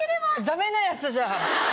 ダメなやつじゃん！